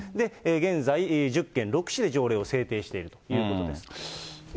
現在、１０県６市で条例を制定しているということです。